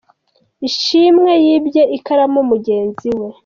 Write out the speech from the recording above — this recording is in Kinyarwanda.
Ishimwe yibye ikaramu mugenzi we!